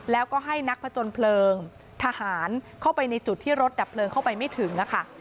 แล้วก็ให้นักผจญเพลิงทหารเข้าไปในจุดที่รถดับเพลิงเข้าไปไม่ถึงค่ะ